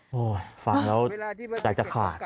โหฟังแล้วที่จัดคหัด